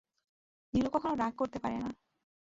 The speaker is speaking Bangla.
নীলু কখনো রাগ করতে পারে না।